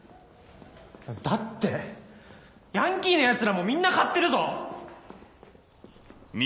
だってヤンキーのヤツらもみんな買ってるぞ！